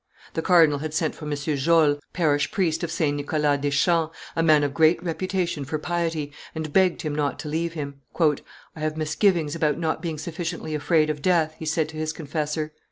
The cardinal had sent for M. Jolt, parish priest of St. Nicholas des Champs, a man of great reputation for piety, and begged him not to leave him. "I have misgivings about not being sufficiently afraid of death," he said to his confessor.